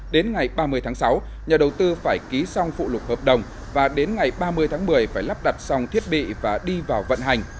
đến ngày ba mươi tháng sáu nhà đầu tư phải ký xong phụ lục hợp đồng và đến ngày ba mươi tháng một mươi phải lắp đặt xong thiết bị và đi vào vận hành